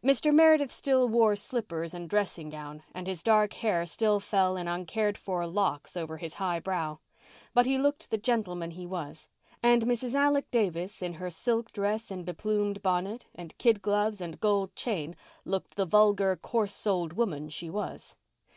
Mr. Meredith still wore slippers and dressing gown, and his dark hair still fell in uncared for locks over his high brow. But he looked the gentleman he was; and Mrs. Alec Davis, in her silk dress and beplumed bonnet, and kid gloves and gold chain looked the vulgar, coarse souled woman she was.